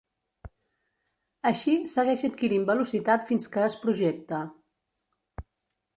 Així, segueix adquirint velocitat fins que es projecta.